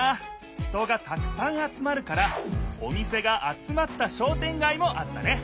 人がたくさん集まるからお店が集まった商店街もあったね。